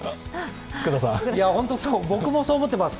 本当に僕もそう思っています。